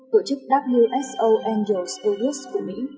tổ chức wso angels august của mỹ